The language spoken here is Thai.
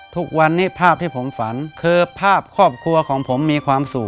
ทุกวันนี้ภาพที่ผมฝันคือภาพครอบครัวของผมมีความสุข